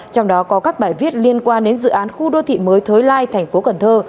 trong đó có các bài viết liên quan đến dự án khu đô thị mới thới lai tp cn